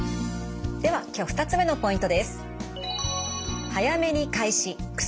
では今日２つ目のポイントです。